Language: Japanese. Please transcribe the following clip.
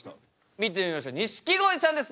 見てみましょう錦鯉さんですどうぞ！